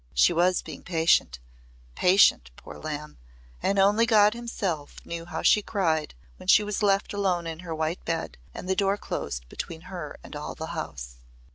She was being patient patient, poor lamb, and only God himself knew how she cried when she was left alone in her white bed, the door closed between her and all the house.